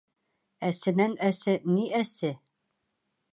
Әсенән әсе ни әсе?